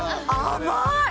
甘い！